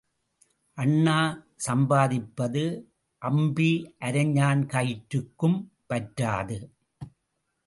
அண்ணா சம்பாதிப்பது அம்பி அரைஞாண் கயிற்றுக்கும் பற்றாது.